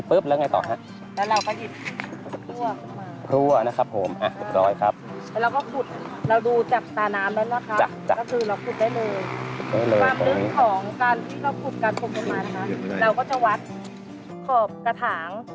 ขอบกระถางเราเอาล่องได้ค่ะ